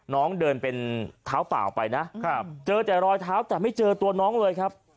น้องเดินเป็นเท้าเปล่าไปนะเจอแต่รอยเท้าแต่ไม่เจอตัวน้องเลยครับ